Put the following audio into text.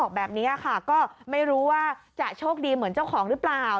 ตรงนี้บ้านเลขที่เท่าไรครับ